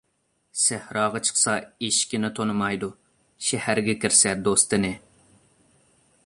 سەھراغا چىقسا ئېشىكىنى تونۇمايدۇ، شەھەرگە كىرسە دوستىنى.